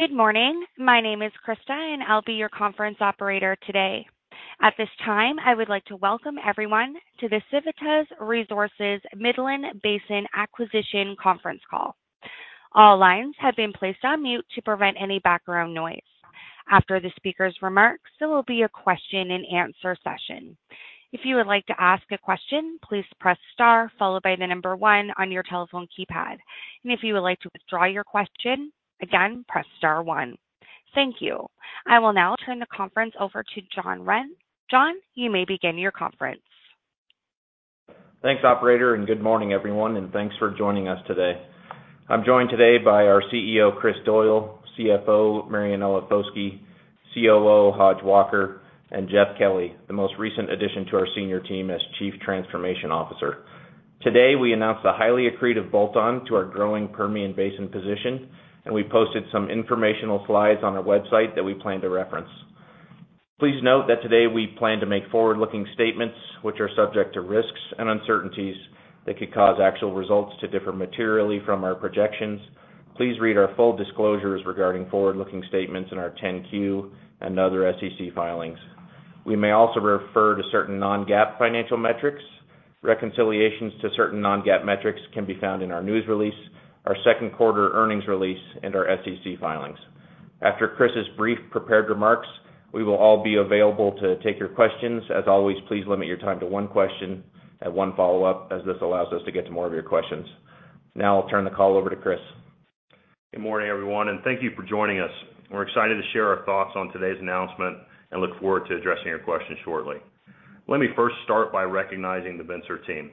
Good morning. My name is Krista, and I'll be your conference Operator today. At this time, I would like to welcome everyone to the Civitas Resources Midland Basin Acquisition conference call. All lines have been placed on mute to prevent any background noise. After the speaker's remarks, there will be a question-and-answer session. If you would like to ask a question, please press star followed by the number one on your telephone keypad. And if you would like to withdraw your question, again, press star one. Thank you. I will now turn the conference over to John Renz. John, you may begin your conference. Thanks, Operator, and good morning, everyone, and thanks for joining us today. I'm joined today by our CEO, Chris Doyle, CFO, Marianella Foschi, COO, Hodge Walker, and Jeff Kelly, the most recent addition to our senior team as Chief Transformation Officer. Today, we announced a highly accretive bolt-on to our growing Permian Basin position, and we posted some informational slides on our website that we plan to reference. Please note that today we plan to make forward-looking statements, which are subject to risks and uncertainties that could cause actual results to differ materially from our projections. Please read our full disclosures regarding forward-looking statements in our 10-Q and other SEC filings. We may also refer to certain non-GAAP financial metrics. Reconciliations to certain non-GAAP metrics can be found in our news release, our second quarter earnings release, and our SEC filings. After Chris's brief prepared remarks, we will all be available to take your questions. As always, please limit your time to one question and one follow-up, as this allows us to get to more of your questions. Now I'll turn the call over to Chris. Good morning, everyone, and thank you for joining us. We're excited to share our thoughts on today's announcement and look forward to addressing your questions shortly. Let me first start by recognizing the Vencer team.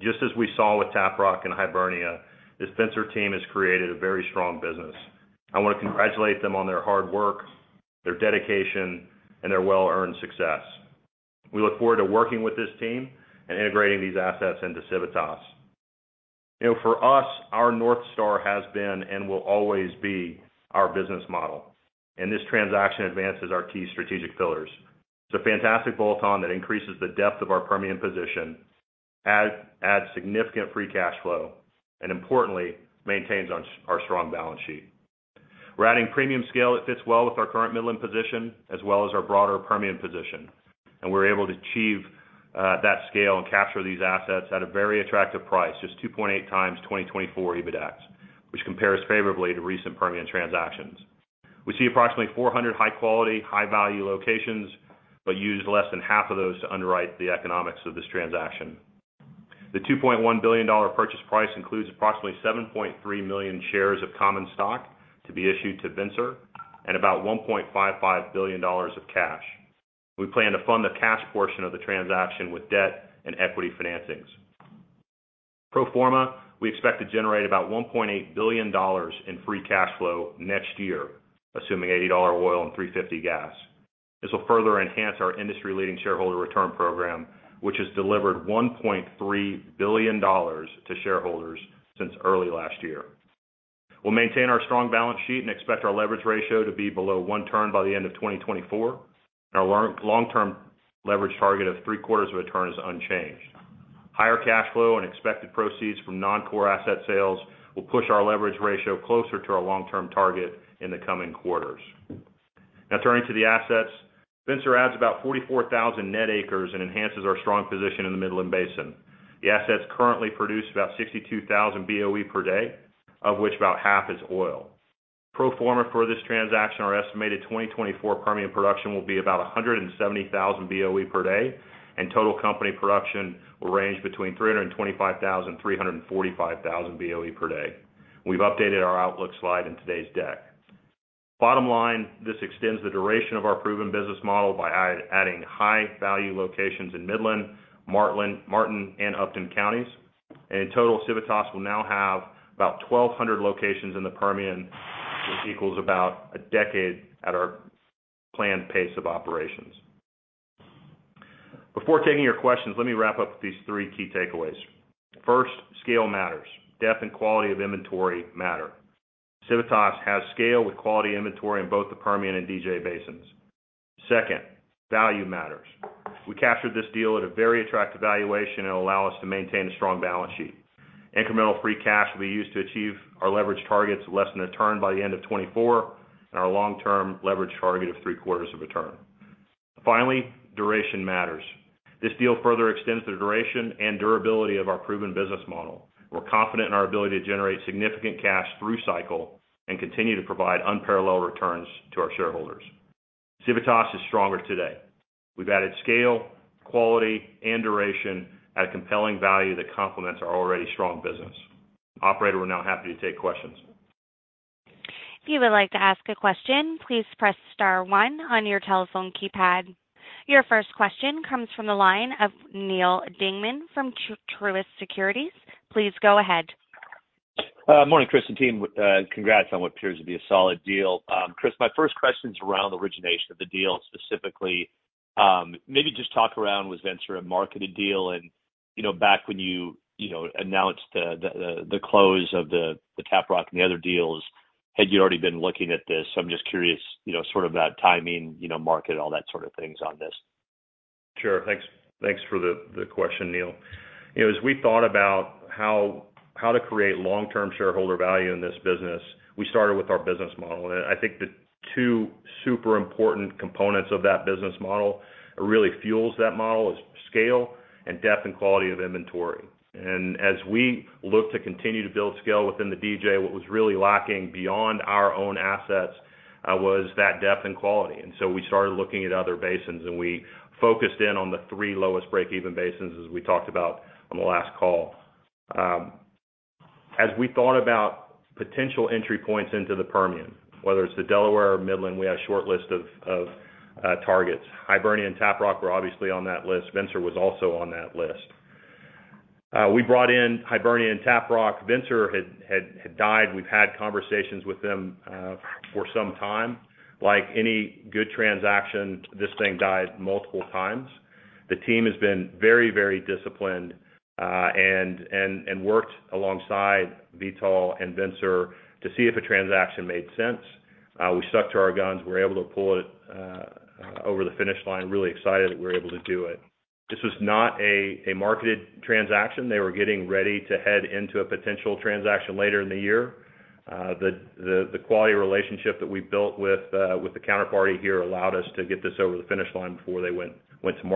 Just as we saw with Tap Rock and Hibernia, this Vencer team has created a very strong business. I want to congratulate them on their hard work, their dedication, and their well-earned success. We look forward to working with this team and integrating these assets into Civitas. You know, for us, our North Star has been and will always be our business model, and this transaction advances our key strategic pillars. It's a fantastic bolt-on that increases the depth of our Permian position, adds, adds significant free cash flow, and importantly, maintains our, our strong balance sheet. We're adding premium scale that fits well with our current Midland position, as well as our broader Permian position, and we're able to achieve that scale and capture these assets at a very attractive price, just 2.8x 2024 EBITDAX, which compares favorably to recent Permian transactions. We see approximately 400 high-quality, high-value locations, but use less than half of those to underwrite the economics of this transaction. The $2.1 billion purchase price includes approximately 7.3 million shares of common stock to be issued to Vencer and about $1.55 billion of cash. We plan to fund the cash portion of the transaction with debt and equity financings. Pro forma, we expect to generate about $1.8 billion in free cash flow next year, assuming $80 oil and $3.50 gas. This will further enhance our industry-leading shareholder return program, which has delivered $1.3 billion to shareholders since early last year. We'll maintain our strong balance sheet and expect our leverage ratio to be below one turn by the end of 2024. Our long, long-term leverage target of three-quarters of a turn is unchanged. Higher cash flow and expected proceeds from non-core asset sales will push our leverage ratio closer to our long-term target in the coming quarters. Now, turning to the assets, Vencer adds about 44,000 net acres and enhances our strong position in the Midland Basin. The assets currently produce about 62,000 BOE per day, of which about half is oil. Pro forma for this transaction, our estimated 2024 Permian production will be about 170,000 BOE per day, and total company production will range between 325,000 and 345,000 BOE per day. We've updated our outlook slide in today's deck. Bottom line, this extends the duration of our proven business model by adding high-value locations in Midland, Martin, and Upton counties. And in total, Civitas will now have about 1,200 locations in the Permian, which equals about a decade at our planned pace of operations. Before taking your questions, let me wrap up with these three key takeaways. First, scale matters. Depth and quality of inventory matter. Civitas has scale with quality inventory in both the Permian and DJ basins. Second, value matters. We captured this deal at a very attractive valuation and allow us to maintain a strong balance sheet. Incremental free cash will be used to achieve our leverage targets less than a turn by the end of 2024 and our long-term leverage target of three-quarters of a turn. Finally, duration matters. This deal further extends the duration and durability of our proven business model. We're confident in our ability to generate significant cash through cycle and continue to provide unparalleled returns to our shareholders. Civitas is stronger today. We've added scale, quality, and duration at a compelling value that complements our already strong business. Operator, we're now happy to take questions. If you would like to ask a question, please press star one on your telephone keypad. Your first question comes from the line of Neal Dingmann from Truist Securities. Please go ahead. Morning, Chris and team. Congrats on what appears to be a solid deal. Chris, my first question is around the origination of the deal, specifically, maybe just talk around, was Vencer a marketed deal? And, you know, back when you, you know, announced the close of the Tap Rock and the other deals, had you already been looking at this? I'm just curious, you know, sort of that timing, you know, market, all that sort of things on this. Sure. Thanks, thanks for the, the question, Neil. You know, as we thought about how, how to create long-term shareholder value in this business, we started with our business model. I think the two super important components of that business model, that really fuels that model, is scale and depth and quality of inventory. As we look to continue to build scale within the DJ, what was really lacking beyond our own assets, was that depth and quality. And so we started looking at other basins, and we focused in on the three lowest breakeven basins, as we talked about on the last call. As we thought about potential entry points into the Permian, whether it's the Delaware or Midland, we had a short list of, of, targets. Hibernia and Tap Rock were obviously on that list. Vencer was also on that list. We brought in Hibernia and Tap Rock. Vencer had died. We've had conversations with them for some time. Like any good transaction, this thing died multiple times. The team has been very, very disciplined and worked alongside Vitol and Vencer to see if a transaction made sense. We stuck to our guns. We were able to pull it over the finish line. Really excited that we were able to do it. This was not a marketed transaction. They were getting ready to head into a potential transaction later in the year. The quality relationship that we built with the counterparty here allowed us to get this over the finish line before they went to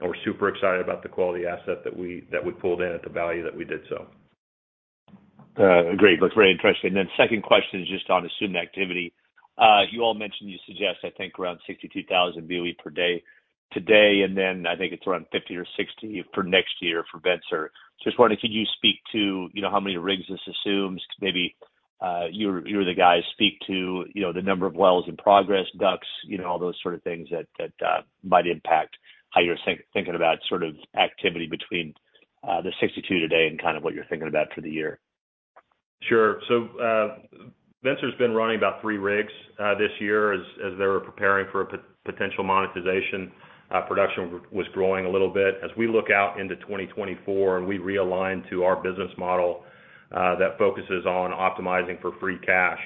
market. We're super excited about the quality asset that we pulled in at the value that we did so. Great. Looks very interesting. And then second question is just on assumed activity. You all mentioned, you suggest, I think, around 62,000 BOE per day today, and then I think it's around 50 or 60 for next year for Vencer. So just wondering, could you speak to, you know, how many rigs this assumes? Maybe, you're the guys, speak to, you know, the number of wells in progress, DUCs, you know, all those sort of things that, that, might impact how you're thinking about sort of activity between, the 62 today and kind of what you're thinking about for the year. Sure. So, Vencer's been running about three rigs this year as they were preparing for a potential monetization. Production was growing a little bit. As we look out into 2024 and we realign to our business model that focuses on optimizing for free cash,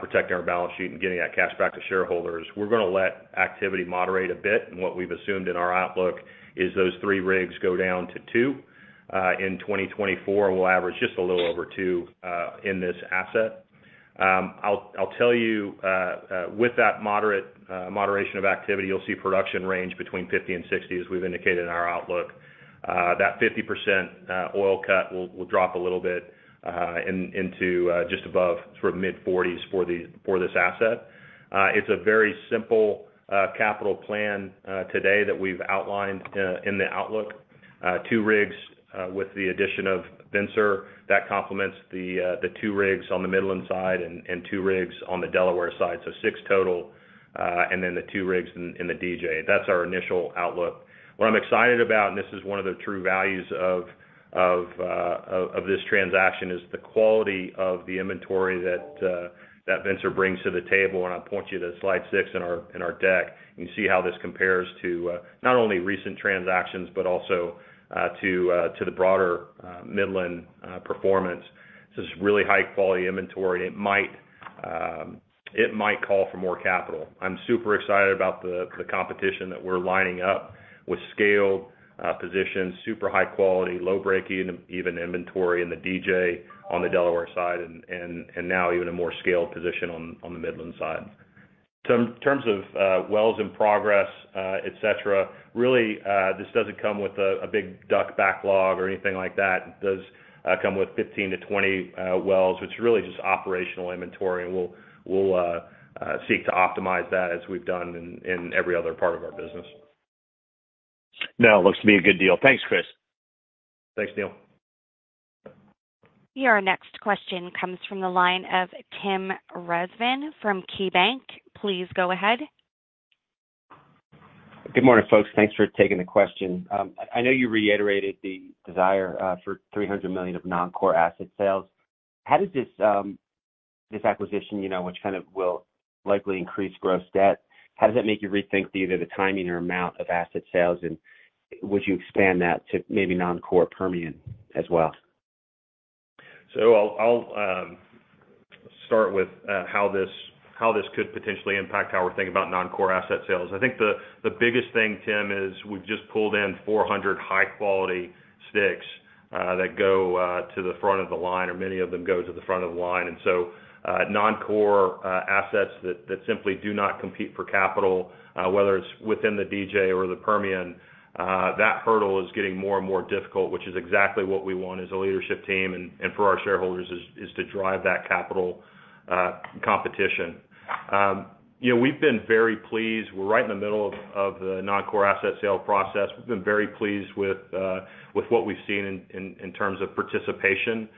protecting our balance sheet and getting that cash back to shareholders, we're going to let activity moderate a bit. And what we've assumed in our outlook is those three rigs go down to two in 2024, and we'll average just a little over two in this asset. I'll tell you with that moderate moderation of activity, you'll see production range between 50 and 60, as we've indicated in our outlook. That 50% oil cut will drop a little bit into just above sort of mid-40s for this asset. It's a very simple capital plan today that we've outlined in the outlook. Two rigs with the addition of Vencer, that complements the two rigs on the Midland side and two rigs on the Delaware side, so six total, and then the two rigs in the DJ. That's our initial outlook. What I'm excited about, and this is one of the true values of this transaction, is the quality of the inventory that Vencer brings to the table. And I point you to slide six in our deck. You can see how this compares to not only recent transactions, but also to the broader Midland performance. This is really high-quality inventory. It might, it might call for more capital. I'm super excited about the competition that we're lining up with scaled positions, super high quality, low breakeven inventory in the DJ, on the Delaware side, and now even a more scaled position on the Midland side. So in terms of wells in progress, et cetera, really, this doesn't come with a big DUC backlog or anything like that. It does come with 15-20 wells, which is really just operational inventory, and we'll seek to optimize that as we've done in every other part of our business. No, it looks to be a good deal. Thanks, Chris. Thanks, Neal. Your next question comes from the line of Tim Rezvan from KeyBanc. Please go ahead. Good morning, folks. Thanks for taking the question. I know you reiterated the desire for $300 million of non-core asset sales. How does this, this acquisition, you know, which kind of will likely increase gross debt, how does that make you rethink either the timing or amount of asset sales, and would you expand that to maybe non-core Permian as well? So I'll start with how this could potentially impact how we're thinking about non-core asset sales. I think the biggest thing, Tim, is we've just pulled in 400 high quality sticks that go to the front of the line, or many of them go to the front of the line. And so non-core assets that simply do not compete for capital, whether it's within the DJ or the Permian, that hurdle is getting more and more difficult, which is exactly what we want as a leadership team and for our shareholders, is to drive that capital competition. You know, we've been very pleased. We're right in the middle of the non-core asset sale process. We've been very pleased with what we've seen in terms of participation.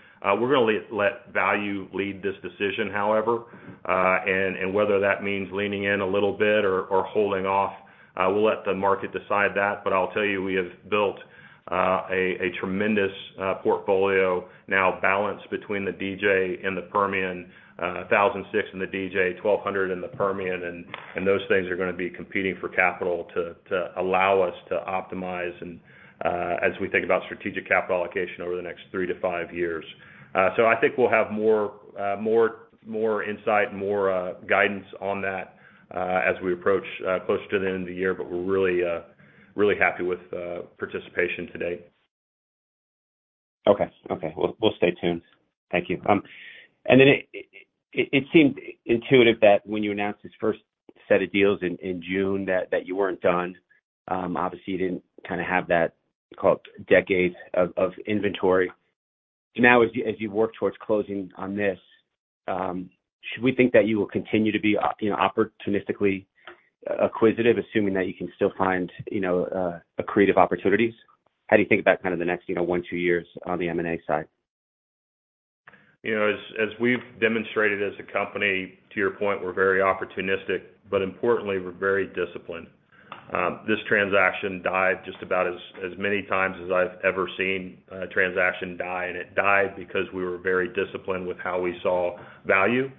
We're gonna let value lead this decision, however. And whether that means leaning in a little bit or holding off, we'll let the market decide that. But I'll tell you, we have built a tremendous portfolio now balanced between the DJ and the Permian, 1,006 in the DJ, 1,200 in the Permian, and those things are going to be competing for capital to allow us to optimize and, as we think about strategic capital allocation over the next 3-5 years. So I think we'll have more insight, more guidance on that, as we approach closer to the end of the year. But we're really happy with participation today. Okay, okay. We'll, we'll stay tuned. Thank you. And then it seemed intuitive that when you announced this first set of deals in June, that you weren't done. Obviously, you didn't kinda have that called decade of inventory. Now, as you work towards closing on this, should we think that you will continue to be you know, opportunistically acquisitive, assuming that you can still find you know, accretive opportunities? How do you think about kind of the next you know, one, two years on the M&A side? You know, as we've demonstrated as a company, to your point, we're very opportunistic, but importantly, we're very disciplined. This transaction died just about as many times as I've ever seen a transaction die, and it died because we were very disciplined with how we saw value, and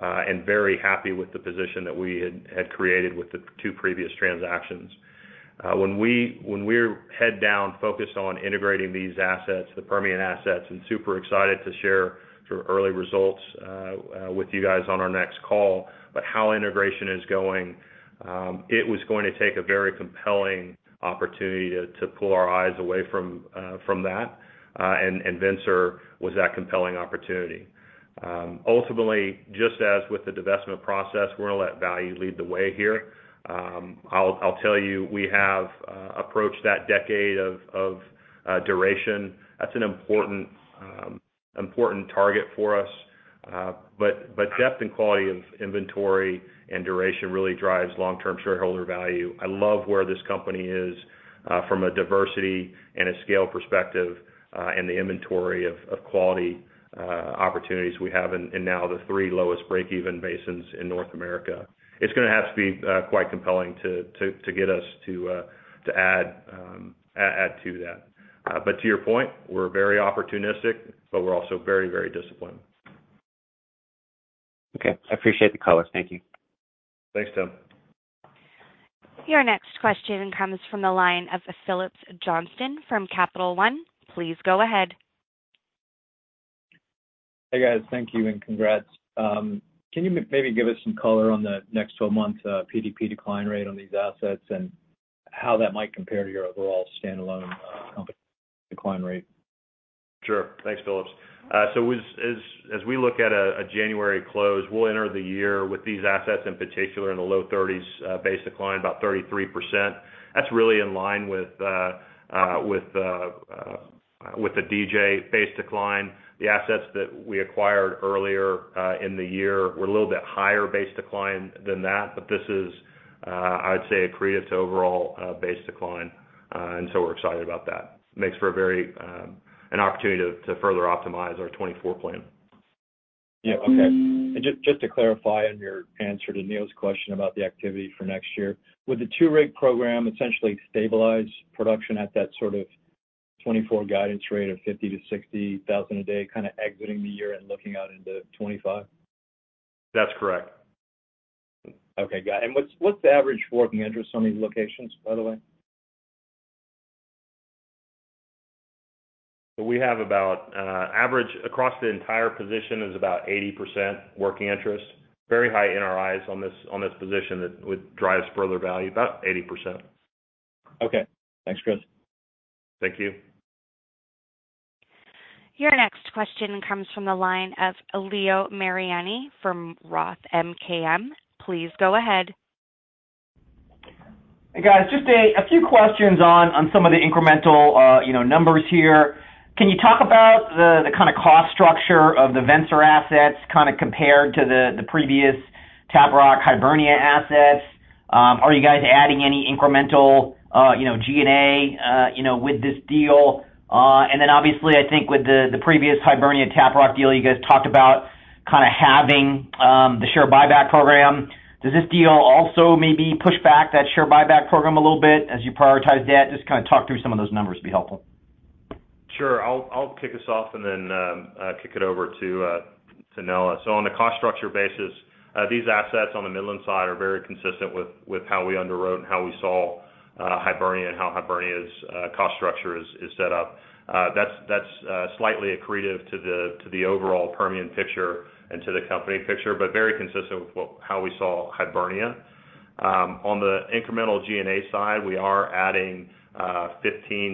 very happy with the position that we had created with the two previous transactions. When we're head down, focused on integrating these assets, the Permian assets, and super excited to share sort of early results with you guys on our next call, but how integration is going, it was going to take a very compelling opportunity to pull our eyes away from that, and Vencer was that compelling opportunity. Ultimately, just as with the divestment process, we're gonna let value lead the way here. I'll tell you, we have approached that decade of duration. That's an important target for us. But depth and quality of inventory and duration really drives long-term shareholder value. I love where this company is from a diversity and a scale perspective, and the inventory of quality opportunities we have in now the three lowest break-even basins in North America. It's gonna have to be quite compelling to get us to add to that. But to your point, we're very opportunistic, but we're also very, very disciplined. Okay, I appreciate the color. Thank you. Thanks, Tim. Your next question comes from the line of Phillips Johnston from Capital One. Please go ahead. Hey, guys. Thank you and congrats. Can you maybe give us some color on the next 12-month PDP decline rate on these assets, and how that might compare to your overall standalone company decline rate? Sure. Thanks, Phillips. So as we look at a January close, we'll enter the year with these assets, in particular, in the low thirties base decline, about 33%. That's really in line with the DJ base decline. The assets that we acquired earlier in the year were a little bit higher base decline than that, but this is, I'd say, accretive to overall base decline. And so we're excited about that. Makes for a very an opportunity to further optimize our 2024 plan. Yeah. Okay. And just, just to clarify on your answer to Neal's question about the activity for next year. Would the two-rig program essentially stabilize production at that sort of 2024 guidance rate of 50,000-60,000 a day, kind of exiting the year and looking out into 2025? That's correct. Okay, got it. And what's the average working interest on these locations, by the way? We have about average across the entire position is about 80% working interest. Very high in our eyes on this position that would drives further value, about 80%. Okay. Thanks, Chris. Thank you. Your next question comes from the line of Leo Mariani from Roth MKM. Please go ahead. Hey, guys, just a few questions on some of the incremental, you know, numbers here. Can you talk about the kind of cost structure of the Vencer assets, kind of compared to the previous Tap Rock, Hibernia assets? Are you guys adding any incremental, you know, G&A with this deal? And then obviously, I think with the previous Hibernia Tap Rock deal, you guys talked about kind of halving the share buyback program. Does this deal also maybe push back that share buyback program a little bit as you prioritize debt? Just kind of talk through some of those numbers would be helpful. Sure. I'll kick us off and then kick it over to Marianella. So on the cost structure basis, these assets on the Midland side are very consistent with how we underwrote and how we saw Hibernia and how Hibernia's cost structure is set up. That's slightly accretive to the overall Permian picture and to the company picture, but very consistent with how we saw Hibernia. On the incremental G&A side, we are adding $15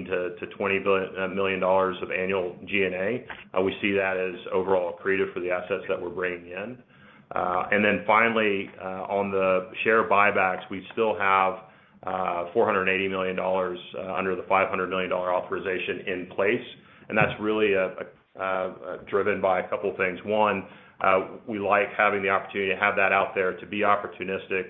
million-$20 million of annual G&A. We see that as overall accretive for the assets that we're bringing in. And then finally, on the share buybacks, we still have $480 million under the $500 million authorization in place, and that's really driven by a couple things. One, we like having the opportunity to have that out there to be opportunistic.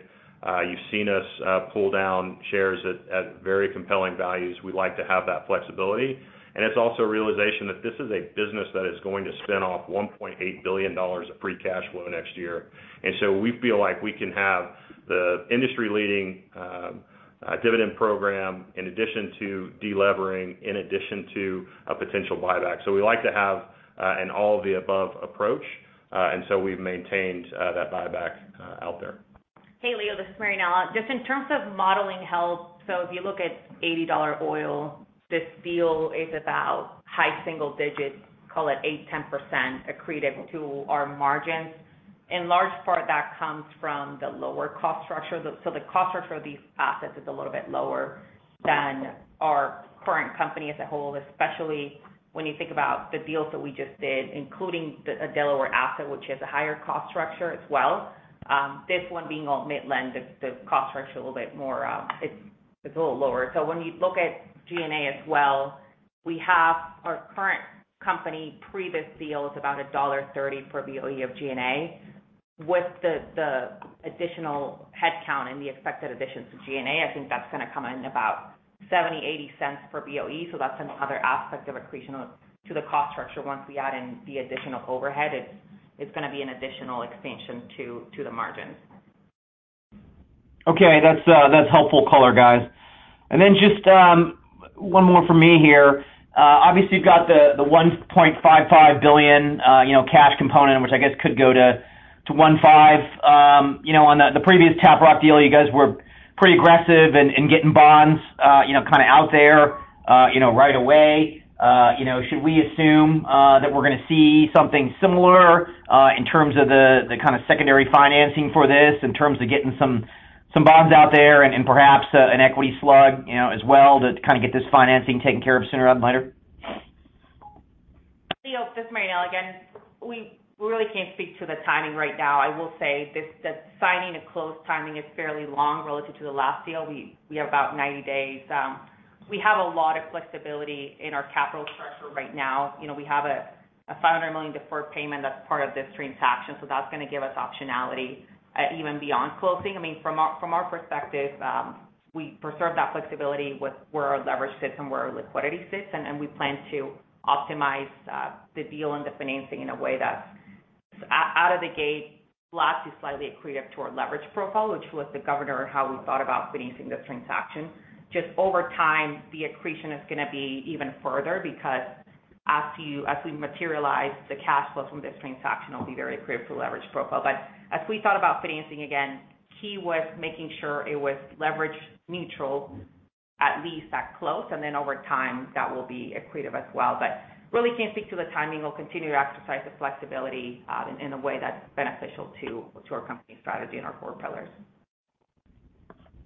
You've seen us pull down shares at very compelling values. We like to have that flexibility. And it's also a realization that this is a business that is going to spin off $1.8 billion of free cash flow next year. And so we feel like we can have the industry-leading dividend program, in addition to delevering, in addition to a potential buyback. So we like to have an all-of-the-above approach, and so we've maintained that buyback out there. Hey, Leo, this is Marianella. Just in terms of modeling health, so if you look at $80 oil, this deal is about high single digits-... call it 8%-10% accretive to our margins. In large part, that comes from the lower cost structure. So the cost structure of these assets is a little bit lower than our current company as a whole, especially when you think about the deals that we just did, including the Delaware asset, which has a higher cost structure as well. This one being all Midland, the cost structure a little bit more, it's a little lower. So when you look at G&A as well, we have our current company, previous deal is about $1.30 per BOE of G&A. With the additional headcount and the expected additions to G&A, I think that's gonna come in about $0.70-$0.80 per BOE. So that's another aspect of accretion to the cost structure once we add in the additional overhead.It's gonna be an additional expansion to the margins. Okay. That's, that's helpful color, guys. And then just, one more from me here. Obviously, you've got the, the $1.55 billion, you know, cash component, which I guess could go to, to $1.5 billion. You know, on the, the previous Tap Rock deal, you guys were pretty aggressive in, in getting bonds, you know, kind of out there, you know, right away. You know, should we assume, that we're gonna see something similar, in terms of the, the kind of secondary financing for this, in terms of getting some, some bonds out there and, and perhaps, an equity slug, you know, as well, to kind of get this financing taken care of sooner rather than later? Leo, this is Marianella again. We really can't speak to the timing right now. I will say this, the signing and closing timing is fairly long relative to the last deal. We have about 90 days. We have a lot of flexibility in our capital structure right now. You know, we have a $500 million deferred payment that's part of this transaction, so that's gonna give us optionality even beyond closing. I mean, from our perspective, we preserve that flexibility with where our leverage sits and where our liquidity sits, and we plan to optimize the deal and the financing in a way that's out of the gate, slightly accretive to our leverage profile, which was the governor in how we thought about financing this transaction. Just over time, the accretion is gonna be even further because as we materialize, the cash flow from this transaction will be very accretive to the leverage profile. But as we thought about financing, again, key was making sure it was leverage neutral, at least at close, and then over time, that will be accretive as well. But really can't speak to the timing. We'll continue to exercise the flexibility in a way that's beneficial to our company's strategy and our core pillars.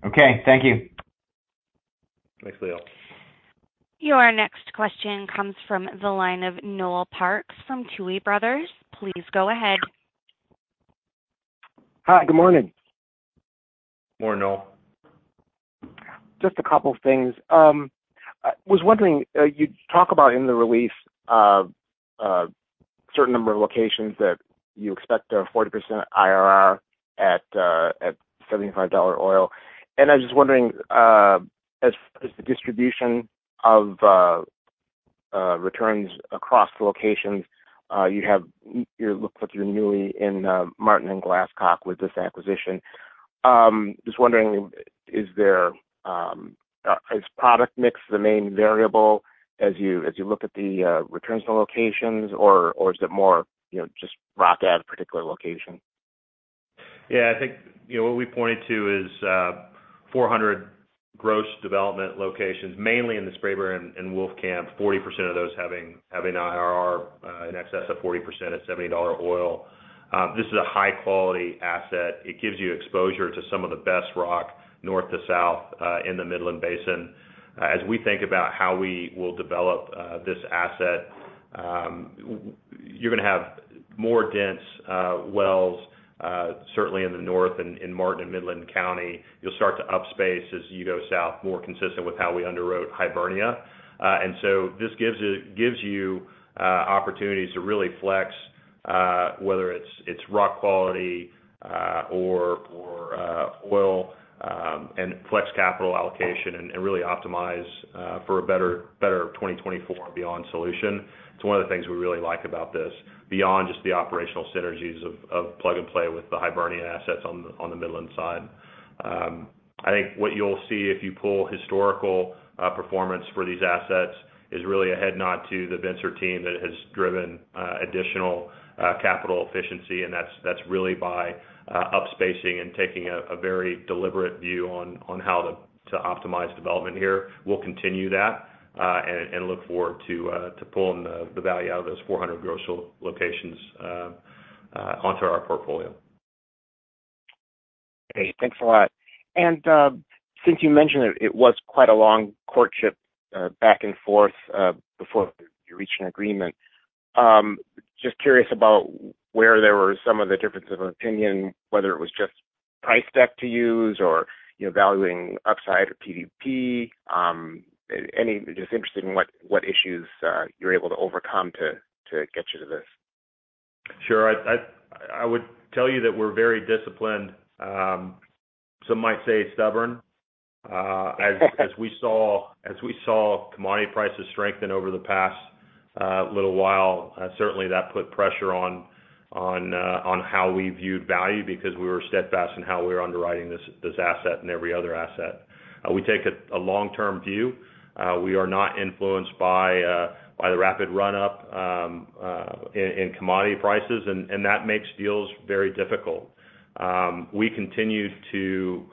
Okay, thank you. Thanks, Leo. Your next question comes from the line of Noel Parks from Tuohy Brothers. Please go ahead. Hi, good morning. Morning, Noel. Just a couple of things. I was wondering, you talk about in the release, a certain number of locations that you expect a 40% IRR at, at $75 oil. And I was just wondering, as, as the distribution of, returns across the locations, you have-- you look like you're newly in, Martin and Glasscock with this acquisition. Just wondering, is there, is product mix the main variable as you, as you look at the, returns on locations, or, or is it more, you know, just rock at a particular location? Yeah, I think, you know, what we pointed to is 400 gross development locations, mainly in the Spraberry and Wolfcamp, 40% of those having IRR in excess of 40% at $70 oil. This is a high-quality asset. It gives you exposure to some of the best rock, north to south, in the Midland Basin. As we think about how we will develop this asset, you're gonna have more dense wells, certainly in the north, in Martin and Midland County. You'll start to upspace as you go south, more consistent with how we underwrote Hibernia. And so this gives you opportunities to really flex, whether it's rock quality, or oil, and flex capital allocation and really optimize for a better 2024 and beyond solution. It's one of the things we really like about this, beyond just the operational synergies of plug and play with the Hibernia assets on the Midland side. I think what you'll see if you pull historical performance for these assets is really a head nod to the Vencer team that has driven additional capital efficiency, and that's really by upspacing and taking a very deliberate view on how to optimize development here. We'll continue that, and look forward to pulling the value out of those 400 gross oil locations onto our portfolio. Great. Thanks a lot. And, since you mentioned it, it was quite a long courtship, back and forth, before you reached an agreement. Just curious about where there were some of the differences of opinion, whether it was just price deck to use or, you know, valuing upside or PDP, any... Just interested in what issues you're able to overcome to get you to this. Sure. I would tell you that we're very disciplined, some might say stubborn. As we saw commodity prices strengthen over the past little while, certainly that put pressure on how we viewed value because we were steadfast in how we were underwriting this asset and every other asset. We take a long-term view. We are not influenced by the rapid run-up in commodity prices, and that makes deals very difficult. We continued to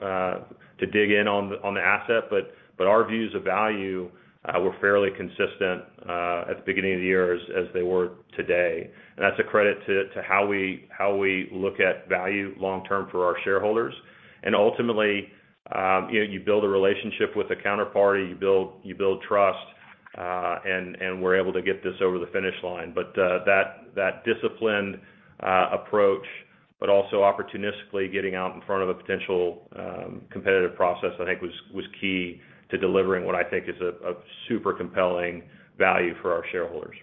dig in on the asset, but our views of value were fairly consistent at the beginning of the year as they were today. And that's a credit to how we look at value long term for our shareholders. Ultimately, you know, you build a relationship with a counterparty, you build trust, and we're able to get this over the finish line. But that disciplined approach, but also opportunistically getting out in front of a potential competitive process, I think was key to delivering what I think is a super compelling value for our shareholders.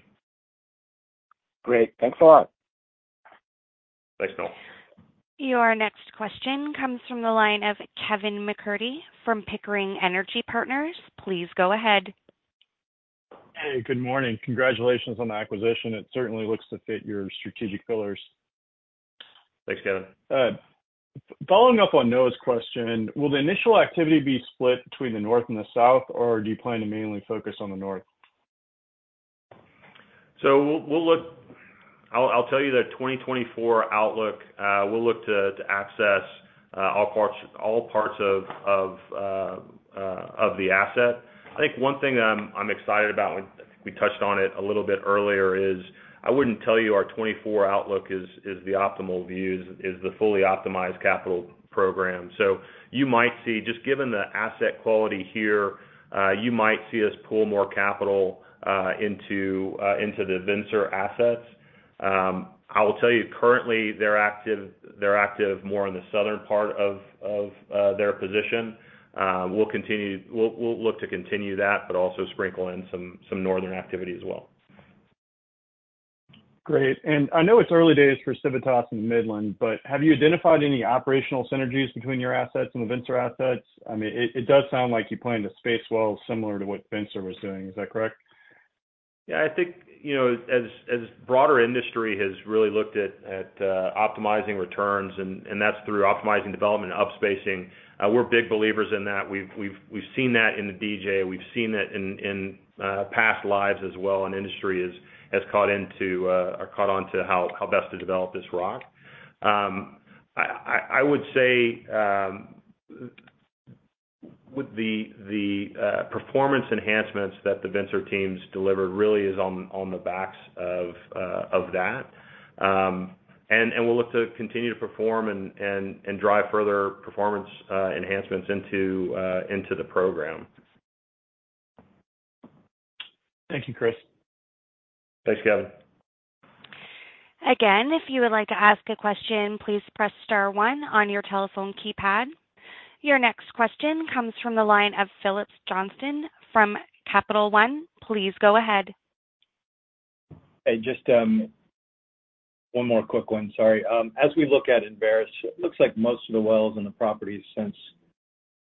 Great. Thanks a lot. Thanks, Noel. Your next question comes from the line of Kevin MacCurdy from Pickering Energy Partners. Please go ahead. Hey, good morning. Congratulations on the acquisition. It certainly looks to fit your strategic pillars. Thanks, Kevin. Following up on Noah's question, will the initial activity be split between the north and the south, or do you plan to mainly focus on the north? So we'll look I'll tell you that 2024 outlook, we'll look to access all parts of the asset. I think one thing that I'm excited about, and I think we touched on it a little bit earlier, is I wouldn't tell you our 2024 outlook is the optimal view, is the fully optimized capital program. So you might see, just given the asset quality here, you might see us pull more capital into the Vencer assets. I will tell you currently, they're active more in the southern part of their position. We'll continue. We'll look to continue that, but also sprinkle in some northern activity as well. Great. And I know it's early days for Civitas in Midland, but have you identified any operational synergies between your assets and the Vencer assets? I mean, it does sound like you plan to space well, similar to what Vencer was doing. Is that correct? Yeah, I think, you know, as broader industry has really looked at optimizing returns, and that's through optimizing development and upspacing. We're big believers in that. We've seen that in the DJ. We've seen it in past lives as well, and industry has caught on to how best to develop this rock. I would say, with the performance enhancements that the Vencer teams delivered really is on the backs of that. And we'll look to continue to perform and drive further performance enhancements into the program. Thank you, Chris. Thanks, Kevin. Again, if you would like to ask a question, please press star one on your telephone keypad. Your next question comes from the line of Phillips Johnston from Capital One. Please go ahead. Hey, just, one more quick one, sorry. As we look at Vencer, it looks like most of the wells in the property since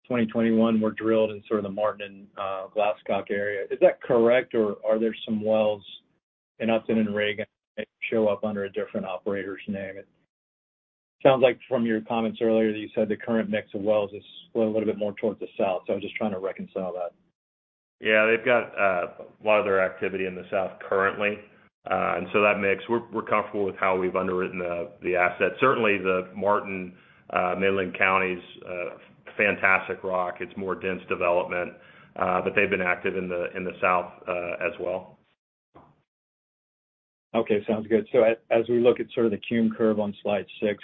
2021 were drilled in sort of the Martin, Glasscock area. Is that correct, or are there some wells in Upton and Reagan that show up under a different operator's name? It sounds like from your comments earlier that you said the current mix of wells is split a little bit more towards the south, so I'm just trying to reconcile that. Yeah, they've got a lot of their activity in the south currently, and so that makes... We're comfortable with how we've underwritten the asset. Certainly, the Martin, Midland County's fantastic rock. It's more dense development, but they've been active in the south as well. Okay, sounds good. So as we look at sort of the cum curve on slide six,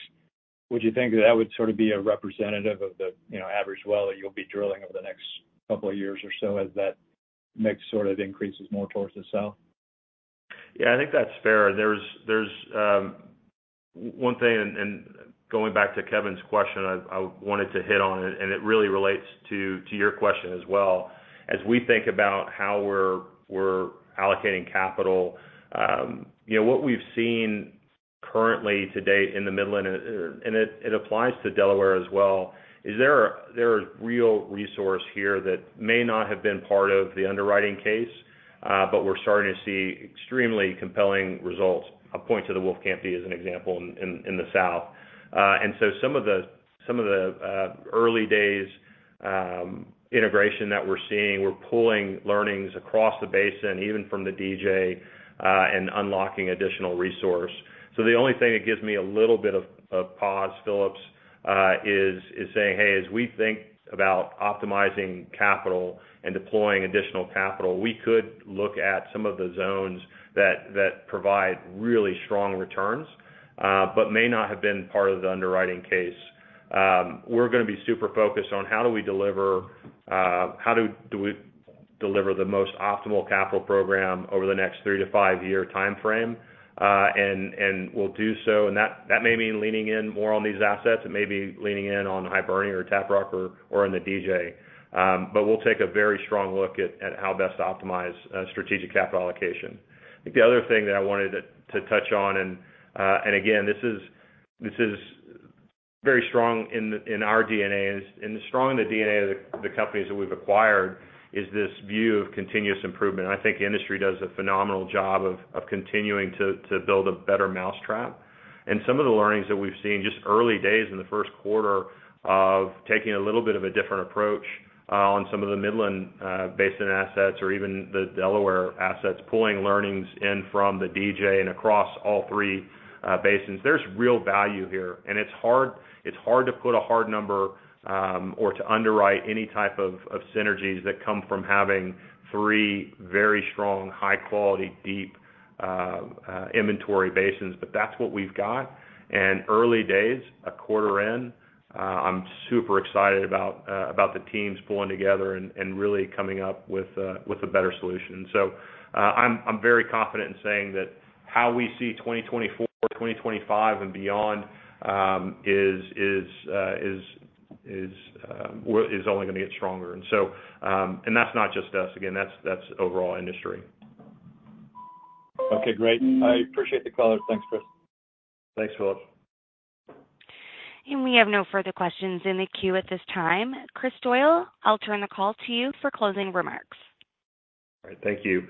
would you think that would sort of be a representative of the, you know, average well that you'll be drilling over the next couple of years or so as that mix sort of increases more towards the south? Yeah, I think that's fair. There's one thing, and going back to Kevin's question, I wanted to hit on it, and it really relates to your question as well. As we think about how we're allocating capital, you know, what we've seen currently to date in the Midland, and it applies to Delaware as well, is there is real resource here that may not have been part of the underwriting case, but we're starting to see extremely compelling results. I'll point to the Wolfcamp D as an example in the South. And so some of the early days integration that we're seeing, we're pulling learnings across the basin, even from the DJ, and unlocking additional resource. So the only thing that gives me a little bit of pause, Phillips, is saying, "Hey, as we think about optimizing capital and deploying additional capital, we could look at some of the zones that provide really strong returns, but may not have been part of the underwriting case." We're gonna be super focused on how do we deliver, how do we deliver the most optimal capital program over the next 3-5-year timeframe. And we'll do so, and that may mean leaning in more on these assets, it may be leaning in on Hibernia or Tap Rock or in the DJ. But we'll take a very strong look at how best to optimize strategic capital allocation. I think the other thing that I wanted to, to touch on, and, and again, this is, this is very strong in, in our DNA, and it's strong in the DNA of the, the companies that we've acquired, is this view of continuous improvement. I think the industry does a phenomenal job of, of continuing to, to build a better mousetrap. And some of the learnings that we've seen, just early days in the first quarter of taking a little bit of a different approach, on some of the Midland Basin assets or even the Delaware assets, pulling learnings in from the DJ and across all three, basins. There's real value here, and it's hard, it's hard to put a hard number, or to underwrite any type of, of synergies that come from having three very strong, high quality, deep, inventory basins, but that's what we've got. And early days, a quarter in, I'm super excited about, about the teams pulling together and, and really coming up with a, with a better solution. So, I'm, I'm very confident in saying that how we see 2024, 2025 and beyond, is only gonna get stronger. And so, and that's not just us. Again, that's, that's overall industry. Okay, great. I appreciate the call. Thanks, Chris. Thanks, Phillips. We have no further questions in the queue at this time. Chris Doyle, I'll turn the call to you for closing remarks. All right. Thank you.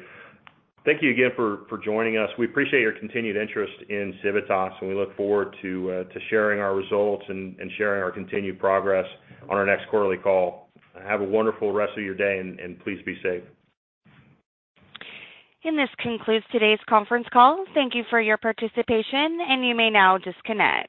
Thank you again for joining us. We appreciate your continued interest in Civitas, and we look forward to sharing our results and sharing our continued progress on our next quarterly call. Have a wonderful rest of your day, and please be safe. This concludes today's conference call. Thank you for your participation, and you may now disconnect.